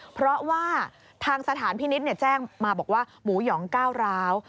เพราะว่าทางสถานพินิษฐ์แจ้งมาบอกว่าหมูหยองก้าวร้าว